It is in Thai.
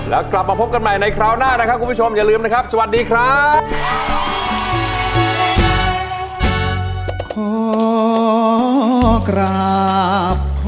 แล้วกลับมาพบกันใหม่ในคราวหน้านะครับคุณผู้ชมอย่าลืมนะครับสวัสดีครับ